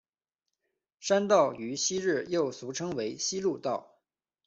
山道于昔日又俗称为希路道。